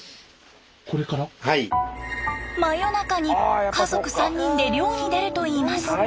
真夜中に家族３人で漁に出るといいます。